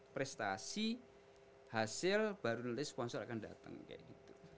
prestasi hasil baru nulis sponsor akan datang kayak gitu